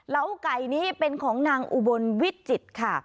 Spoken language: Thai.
ไก่นี้เป็นของนางอุบลวิจิตรค่ะ